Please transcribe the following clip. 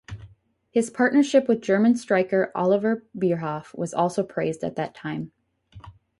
His partnership with German striker Oliver Bierhoff was also praised at that time.